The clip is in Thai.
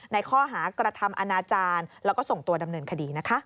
ในข้อหากระทำอนาจารย์แล้วก็ส่งตัวดำเนินคดีนะคะ